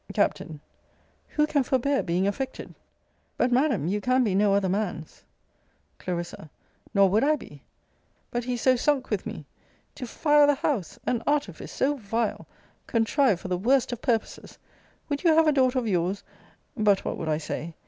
Capt. Who can forbear being affected? But, Madam, you can be no other man's. Cl. Nor would I be. But he is so sunk with me! To fire the house! An artifice so vile! contrived for the worst of purposes! Would you have a daughter of your's But what would I say?